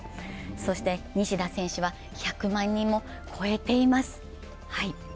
そして西田選手は１００万人を超えています。